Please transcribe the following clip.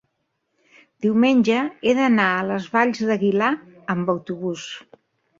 diumenge he d'anar a les Valls d'Aguilar amb autobús.